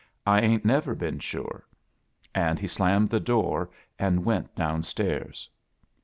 "I 'ain't never been sure." And he slam med the door and went down stairs.